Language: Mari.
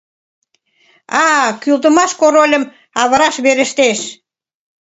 А-а... кӱлдымаш корольым авыраш верештеш.